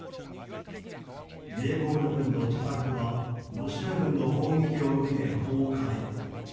イエゴール君の自宅はロシア軍の砲撃を受け、崩壊。